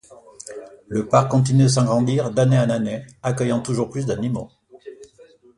Le parc continue de s'agrandir d'année en années, accueillant toujours plus d'animaux.